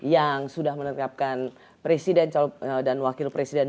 yang sudah menetapkan presiden dan wakil presiden